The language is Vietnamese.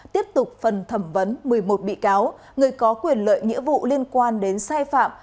tiếp tục phần thẩm vấn một mươi một bị cáo người có quyền lợi nghĩa vụ liên quan đến sai phạm